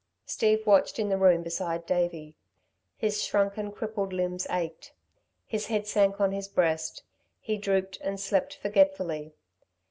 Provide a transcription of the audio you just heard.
Steve watched in the room beside Davey. His shrunken, crippled limbs ached. His head sank on his breast. He drooped and slept forgetfully.